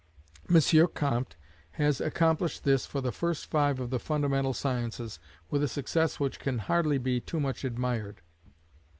M. Comte has accomplished this for the first five of the fundamental sciences, with a success which can hardly be too much admired.